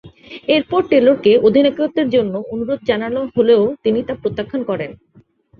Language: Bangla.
এরপর টেলরকে অধিনায়কত্বের জন্য অনুরোধ জানানো হলেও তিনি তা প্রত্যাখ্যান করেন।